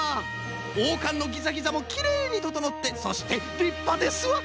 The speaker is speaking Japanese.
おうかんのギザギザもきれいにととのってそしてりっぱですわ！